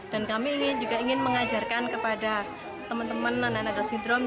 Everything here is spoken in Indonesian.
dan kami juga ingin mengajarkan kepada teman teman anak anak down syndrome